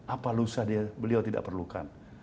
apa lusa beliau tidak perlukan